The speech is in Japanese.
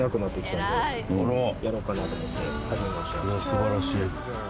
素晴らしい。